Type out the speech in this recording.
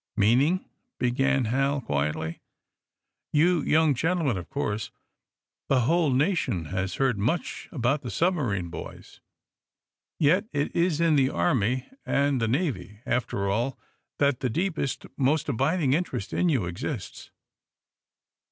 "Meaning " began Hal, quietly. "You young gentlemen, of course. The whole nation has heard much about the submarine boys. Yet it is in the Army and the Navy, after all, that the deepest, most abiding interest in you exists."